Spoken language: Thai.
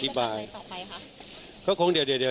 จราโคลยมากกว่า